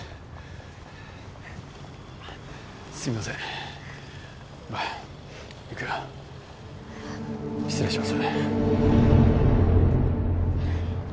すいませんほら行くよ失礼します